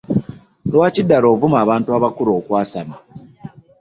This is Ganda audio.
Lwaki ddala ovuma abantu abakulu okwasama?